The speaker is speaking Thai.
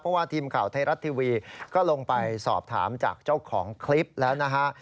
เพราะว่าทีมข่าวไทยรัฐทีวีก็ลงไปสอบถามจากเจ้าของคลิปแล้วนะฮะ